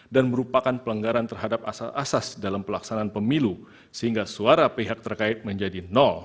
dan merupakan pelanggaran terhadap asas asas dalam pelaksanaan pemilu sehingga suara pihak terkait menjadi